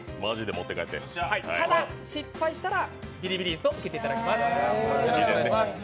ただ、失敗したらビリビリ椅子を受けていただきます。